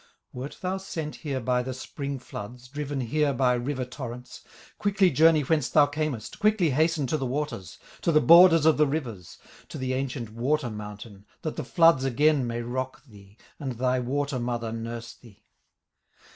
"Wert thou sent here by the spring floods, Driven here by river torrents? Quickly journey whence thou camest, Quickly hasten to the waters, To the borders of the rivers, To the ancient water mountain, That the floods again may rock thee, And thy water mother nurse thee.